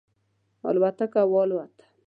الوتکه والوته.